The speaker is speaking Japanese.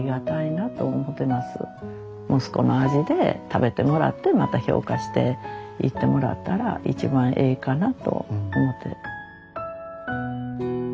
息子の味で食べてもらってまた評価していってもらったら一番ええかなと思て。